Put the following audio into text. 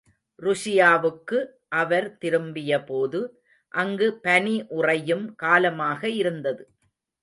ருஷியாவுக்கு அவர் திரும்பியபோது அங்கு பனி உறையும் காலமாக இருந்தது.